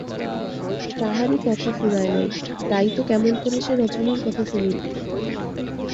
তাহারই কথা ফুরায় নাই তো কেমন করে সে রজনীর কথা শুনিবে!